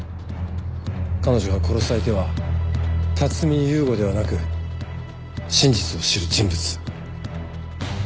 彼女が殺す相手は辰巳勇吾ではなく真実を知る人物。